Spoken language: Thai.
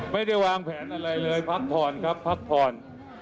ไม่ได้วางแผนอะไรเลยพักผ่อนครับพักผ่อน